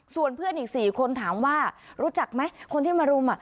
ส่วนเพื่อนอีก๔คนถามว่ารู้จักไหมคนที่มารุม